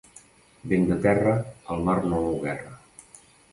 Vent de terra, el mar no mou guerra.